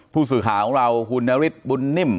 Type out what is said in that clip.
ผู้สื่อข่าวของเราคุณนฤทธิบุญนิ่ม